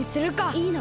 いいの？